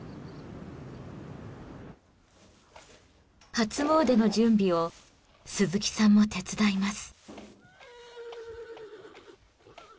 初詣の準備を鈴木さんも手伝います。